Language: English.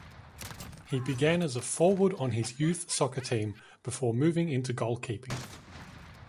He began as a forward on his youth soccer team before moving into goalkeeping.